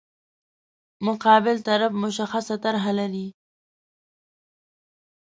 مقابل طرف مشخصه طرح لري.